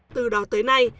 từ đó tới nay